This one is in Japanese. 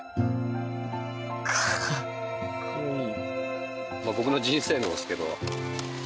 かっこいい。